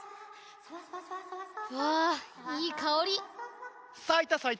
わあいいかおり！